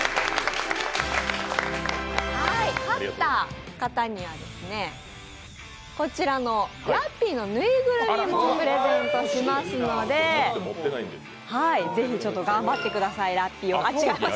勝った方には、こちらのラッピーの縫いぐるみもプレゼントしますのでぜひ頑張ってください。